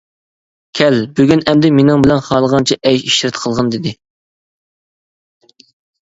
كەل، بۈگۈن ئەمدى مېنىڭ بىلەن خالىغانچە ئەيش-ئىشرەت قىلغىن دېدى.